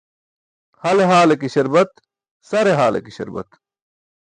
Hale haale ke śarbat, sare haale ke śarbat.